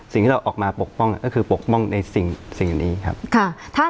สิ่งที่เราออกมาปกป้องก็คือปกป้องในสิ่งนี้ครับ